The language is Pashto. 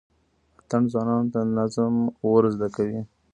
اتڼ ځوانانو ته نظم ور زده کوي.